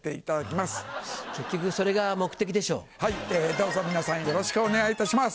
どうぞ皆さんよろしくお願いいたします。